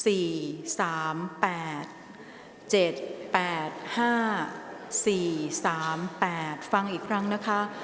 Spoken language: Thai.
สี่สามแปดเจ็ดแปดห้าสี่สามแปดฟังอีกครั้งนะคะ